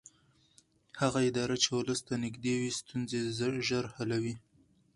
هغه اداره چې ولس ته نږدې وي ستونزې ژر حلوي